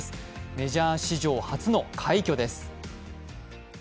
メジャー史上初の快挙です。